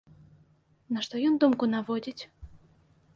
На што ён думку наводзіць?